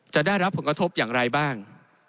จะได้รับผลกระทบอย่างไรบ้าง